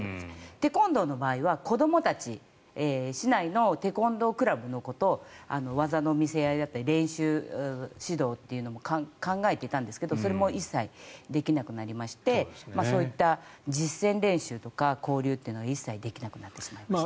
テコンドーの場合は子どもたち市内のテコンドークラブの子と技の見せ合いだったり練習指導も考えていたんですがそれも一切できなくなりましてそういった実戦練習とか交流というのは一切できなくなってしまいました。